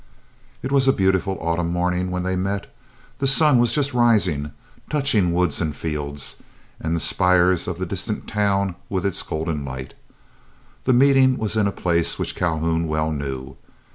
It was a beautiful autumn morning when they met. The sun was just rising, touching woods, and fields, and the spires of the distant town with its golden light. The meeting was in a place which Calhoun well knew.